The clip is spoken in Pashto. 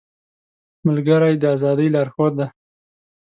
ملګری د ازادۍ لارښود دی